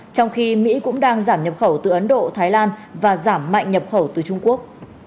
trong khi mỹ cũng đang giảm nhập khẩu từ ấn độ thái lan và giảm mạnh nhập khẩu từ trung quốc